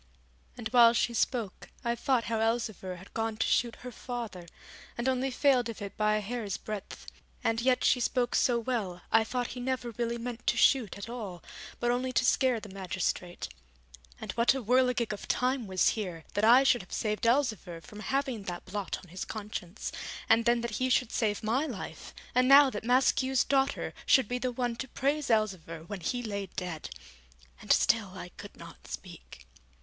And while she spoke I thought how Elzevir had gone to shoot her father, and only failed of it by a hair's breadth, and yet she spoke so well I thought he never really meant to shoot at all, but only to scare the magistrate. And what a whirligig of time was here, that I should have saved Elzevir from having that blot on his conscience, and then that he should save my life, and now that Maskew's daughter should be the one to praise Elzevir when he lay dead! And still I could not speak.